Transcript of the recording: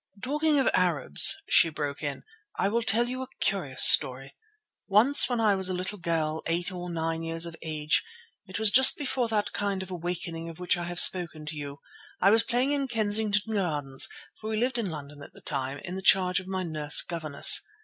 "Talking of Arabs," she broke in, "I will tell you a curious story. Once when I was a little girl, eight or nine years of age—it was just before that kind of awakening of which I have spoken to you—I was playing in Kensington Gardens, for we lived in London at the time, in the charge of my nurse governess.